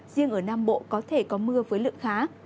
riêng ở nam bộ có thể có mưa với lượng khá